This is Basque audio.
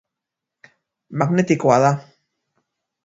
Magnetikoa da.